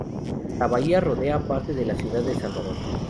La bahía rodea parte de la ciudad de Salvador.